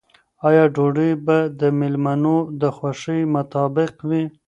آیا ډوډۍ به د مېلمنو د خوښې مطابق وي؟